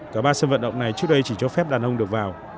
cả ba sân vận động này trước đây chỉ cho phép đàn ông được vào